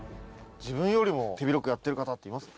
自分よりも手広くやってる方っています？